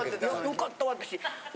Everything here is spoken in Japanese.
よかった私。